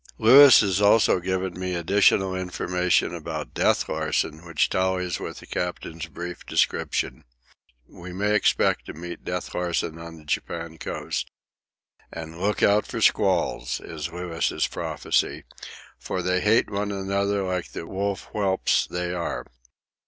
Louis has also given me additional information about Death Larsen, which tallies with the captain's brief description. We may expect to meet Death Larsen on the Japan coast. "And look out for squalls," is Louis's prophecy, "for they hate one another like the wolf whelps they are."